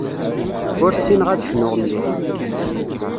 Ur ssineɣ ad cnuɣ mliḥ.